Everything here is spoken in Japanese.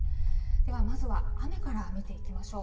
では、まずは雨から見ていきましょう。